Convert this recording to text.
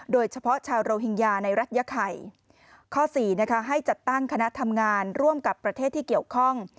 โดยเฉพาะชาวโรฮิงญาในรัฐยาไข่ข้อสี่นะคะให้จัดตั้งคณะทำงานร่วมกับประเทศที่เกี่ยวข้อง